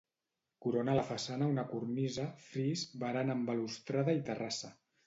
Corona la façana una cornisa, fris, barana amb balustrada i terrassa.